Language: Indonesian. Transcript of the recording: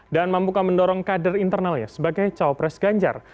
dan mampukah mendorong kader internalnya sebagai capres ganjar